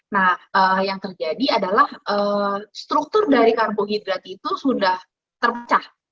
nah yang terjadi adalah struktur dari karbohidrat itu sudah terpecah